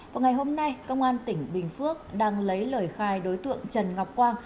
vào ngày hôm nay công an tỉnh bình phước đang lấy lời khai đối tượng trần ngọc quang